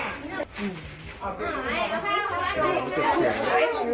ยายถามนิ่งแต่เจ็บลึกถึงใจนะ